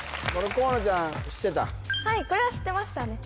はいこれは知ってましたね